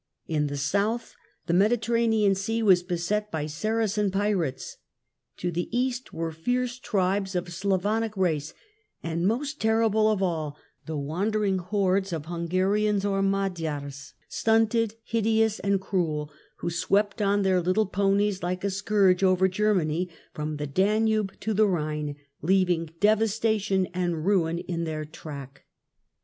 In the south, the Mediterranean Sea was beset by Saracen pirates. To the East were fierce tribes of Slavonic race, and, most terrible of all, the wandering hordes of Hungarians or Magyars, stunted, hideous, and cruel, who swept on their little ponies like a scourge over Germany, from the Danube to the Rhine, leaving devastation and ruin in their track.